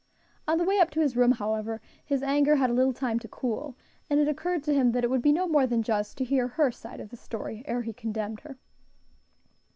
On the way up to his room, however, his anger had a little time to cool, and it occurred to him that it would be no more than just to hear her side of the story ere he condemned her.